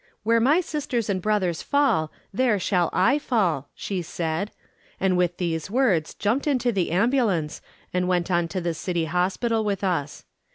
"Where my sisters and brothers fall, there shall I fall," she said, and with these words, jumped into the ambulance and went on to the City Hospital with us.